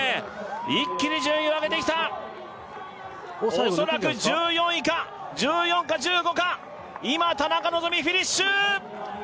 一気に順位を上げてきた恐らく１４位か１４か１５か今田中希実フィニッシュ！